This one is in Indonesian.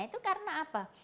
itu karena apa